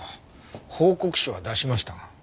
報告書は出しましたが。